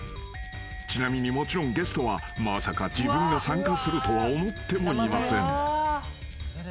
［ちなみにもちろんゲストはまさか自分が参加するとは思ってもいません］